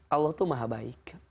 allah tuh maha baik